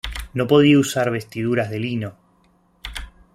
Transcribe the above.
No podía usar vestiduras de lino.